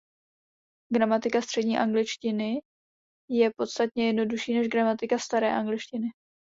Gramatika střední angličtiny je podstatně jednodušší než gramatika staré angličtiny.